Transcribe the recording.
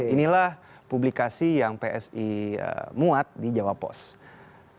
inilah publikasi yang psi muat di jawa post